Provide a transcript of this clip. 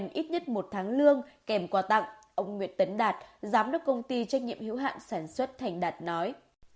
ít nhất một tháng lương kèm quà tặng ông nguyễn tấn đạt giám đốc công ty trách nhiệm hữu hạn sản xuất thành đạt nói